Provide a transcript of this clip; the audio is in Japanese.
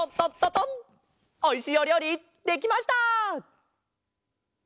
おいしいおりょうりできました！